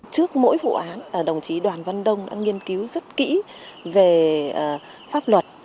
trước mỗi vụ án đồng chí đoàn văn đông đã nghiên cứu rất kỹ về pháp luật